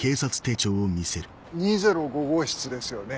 ２０５号室ですよね？